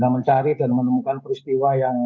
mencari dan menemukan peristiwa yang